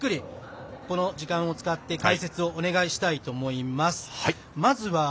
この時間を使って解説をお願いしたいと思います。